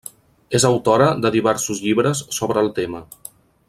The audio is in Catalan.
És autora de diversos llibres sobre el tema.